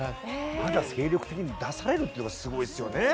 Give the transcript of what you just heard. まだ精力的に出されるっていうのがすごいですよね。